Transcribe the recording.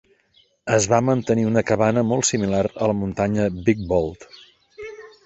Es va mantenir una cabana molt similar a la muntanya Big Bald.